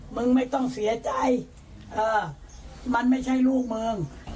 มึงไม่ต้องเสียใจเออมันไม่ใช่ลูกมึง